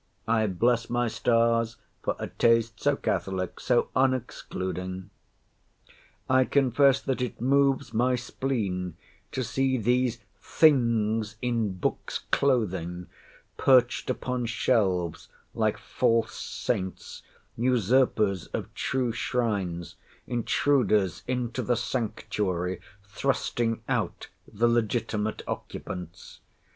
I bless my stars for a taste so catholic, so unexcluding. I confess that it moves my spleen to see these things in books' clothing perched upon shelves, like false saints, usurpers of true shrines, intruders into the sanctuary, thrusting out the legitimate occupants.